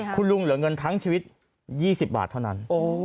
คุณลุงเหลือเงินทั้งชีวิต๒๐บาทเท่านั้น